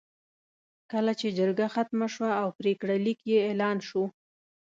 کله چې جرګه ختمه شوه او پرېکړه لیک یې اعلان شو.